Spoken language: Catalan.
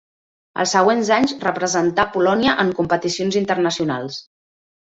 Els següents anys representà Polònia en competicions internacionals.